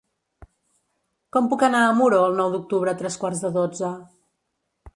Com puc anar a Muro el nou d'octubre a tres quarts de dotze?